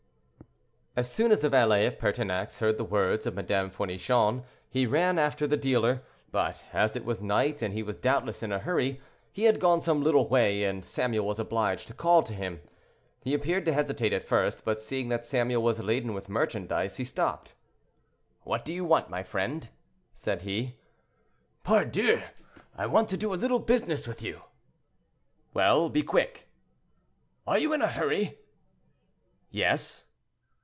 As soon as the valet of Pertinax heard the words of Madame Fournichon, he ran after the dealer, but as it was night and he was doubtless in a hurry, he had gone some little way and Samuel was obliged to call to him. He appeared to hesitate at first, but seeing that Samuel was laden with merchandise, he stopped. "What do you want, my friend?" said he. "Pardieu! I want to do a little business with you."—"Well, be quick!" "Are you in a hurry?" "Yes."